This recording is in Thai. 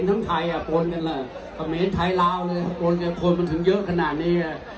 ไทช์ลาวเลยโกนกันค่อยเหมือนมันถึงเยอะขนาดนี้อ่ะ